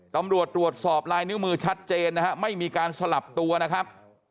ตำรวจตรวจสอบลายนิ้วมือชัดเจนนะฮะไม่มีการสลับตัวนะครับ